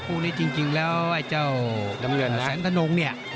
คู่นี้จริงแล้วไอ้เจ้าแสนตะโน้งเนี่ย